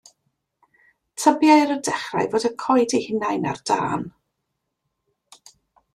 Tybiai ar y dechrau fod y coed eu hunain ar dân.